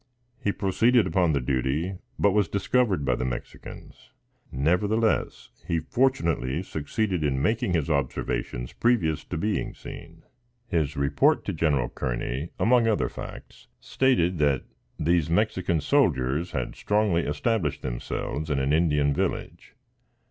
He proceeded upon the duty, but was discovered by the Mexicans. Nevertheless, he fortunately succeeded in making his observations previous to being seen. His report to General Kearney, among other facts, stated that these Mexican soldiers had strongly established themselves in an Indian village.